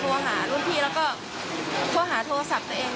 โทรหารุ่นพี่แล้วก็โทรหาโทรศัพท์ตัวเอง